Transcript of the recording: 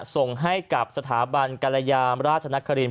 ส่งให้กับสถาบันกรยามราชนคริน